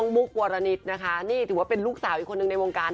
มุกนี่ถือว่าเป็นลูกสาวอีกคนหนึ่งในวงการ